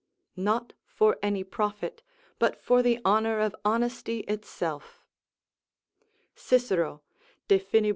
["Not for any profit, but for the honour of honesty itself." Cicero, De Finib.